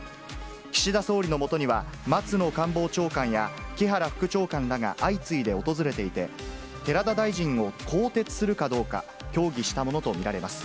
岸田総理のもとには、松野官房長官や木原副長官らが相次いで訪れていて、寺田大臣を更迭するかどうか、協議したものと見られます。